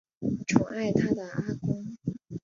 宠爱她的阿公